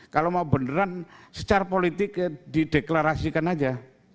kalau mau beneran secara politik dideklarasikan aja